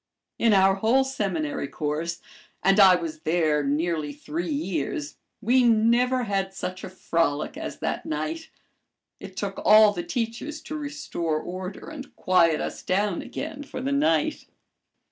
In our whole seminary course and I was there nearly three years we never had such a frolic as that night. It took all the teachers to restore order and quiet us down again for the night.